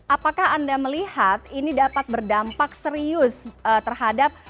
apakah anda melihat ini dapat berdampak serius terhadap